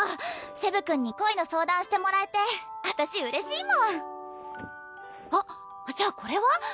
セブ君に恋の相談してもらえて私嬉しいもんあっじゃあこれは？